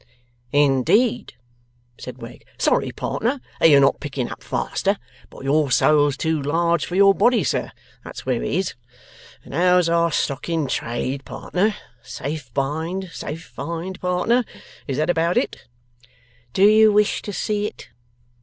'In deed!' said Wegg: 'sorry, partner, that you're not picking up faster, but your soul's too large for your body, sir; that's where it is. And how's our stock in trade, partner? Safe bind, safe find, partner? Is that about it?' 'Do you wish to see it?